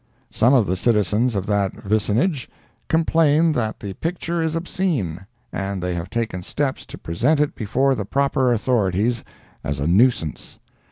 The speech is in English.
Some of the citizens of that vicinage complain that the picture is obscene, and they have taken steps to present it before the proper authorities as a nuisance!